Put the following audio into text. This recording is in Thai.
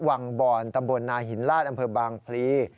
วังบอนตำบลนาหินลาดอำเภอบางพลี